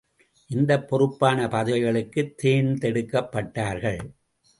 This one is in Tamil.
இந்தப் பொறுப்பான பதவிகளுக்குத் தேர்ந்தெடுக்கப்பட்டார்கள்.